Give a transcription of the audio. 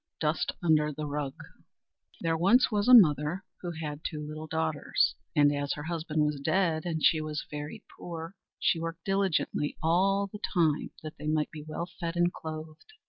Dust under the Rug MAUD LINDSAY There was once a mother, who had two little daughters; and, as her husband was dead and she was very poor, she worked diligently all the time that they might be well fed and clothed.